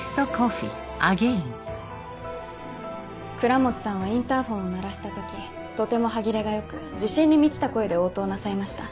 倉持さんはインターホンを鳴らした時とても歯切れが良く自信に満ちた声で応答なさいました。